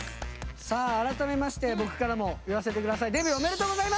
さあ改めまして僕からも言わせて下さい。